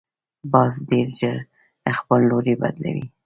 باز ډیر ژر خپل لوری بدلوي